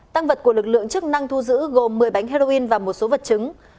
tăng vật của lực lượng chức năng thu giữ gồm một mươi bánh heroin và một số vật chứng